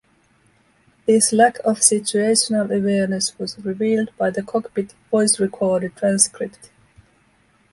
This lack of situational awareness was revealed by the cockpit voice recorder transcript.